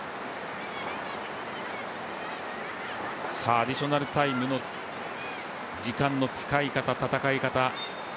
アディショナルタイムの時間の使い方、戦い方。